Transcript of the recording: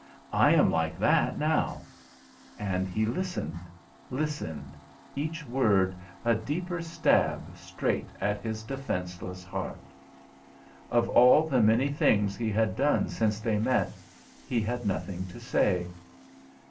I am like that now "_ And he listened, listened, each word a deeper stab straight at his defenceless heart. Of all the many things he had done since they met he had nothing to say.